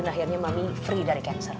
dan akhirnya mami free dari cancer